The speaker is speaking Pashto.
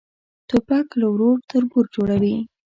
توپک له ورور تربور جوړوي.